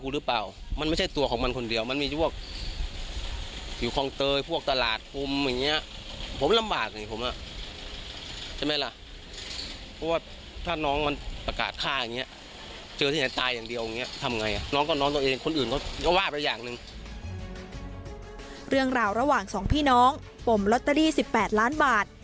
เรื่องราวระหว่างสองพี่น้องปมลอตเตอรี่๑๘ล้านบาท